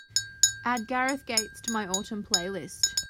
add gareth gates to my autumn playlist